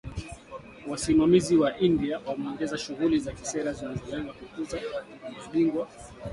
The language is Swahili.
Wasimamizi wa India wameongeza shughuli za kisera zinazolenga kukuza ‘mabingwa wa kitaifa’.